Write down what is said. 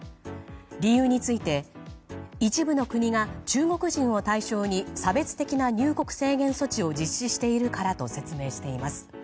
理由について一部の国が中国人を対象に差別的な入国制限措置を実施しているからと説明しています。